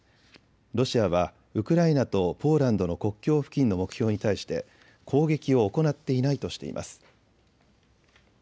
ロシアはウクライナとポーランドの国境付近の目標に対して攻撃を行っていないとしています。